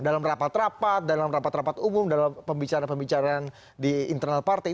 dalam rapat rapat dalam rapat rapat umum dalam pembicaraan pembicaraan di internal partai